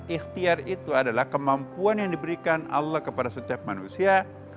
ikhtiar itu adalah kemampuan yang diberikan allah kepada setiap manusia